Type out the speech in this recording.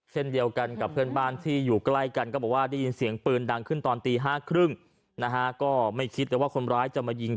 เช่นเดียวกันกับเพื่อนบ้านที่อยู่ใกล้กันก็บอกว่าได้ยินเสียงปืนดังขึ้นตอนตี๕๓๐นะฮะก็ไม่คิดเลยว่าคนร้ายจะมายิง